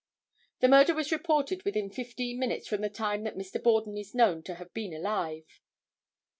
The murder was reported within fifteen minutes from the time that Mr. Borden is known to have been alive.